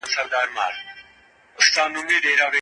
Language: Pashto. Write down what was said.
نرمې خبري له سختو خبرو څخه غوره دي.